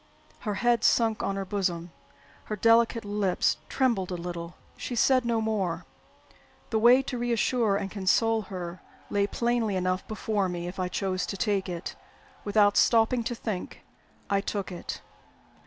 Her head sunk on her bosom; her delicate lips trembled a little; she said no more. The way to reassure and console her lay plainly enough before me, if I chose to take it. Without stopping to think, I took it.